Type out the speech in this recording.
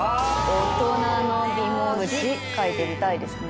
「大人の美文字」書いてみたいですね。